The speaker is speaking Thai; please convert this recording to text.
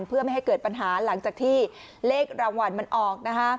เพื่อไม่ให้เกิดปัญหาหลังจากที่เลขรางวัลมันออกนะคะ